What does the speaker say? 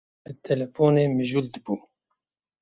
Bi telefonê mijûl dibû.